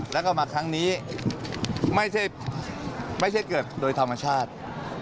แล้วก็มาครั้งนี้ไม่ใช่เกิดโดยธรรมชาติ